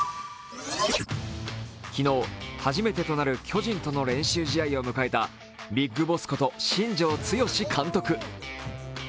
昨日、初めてとなる巨人との練習試合を迎えたビッグボスこと新庄剛志監督。